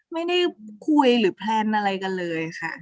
ไม่ได้คุยหรือแพลนอะไรกันเลยค่ะ